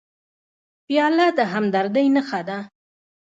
پیاله د همدردۍ نښه ده.